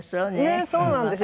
ねっそうなんですよ。